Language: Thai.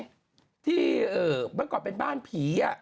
เมื่อก่อนเป็นบ้านผี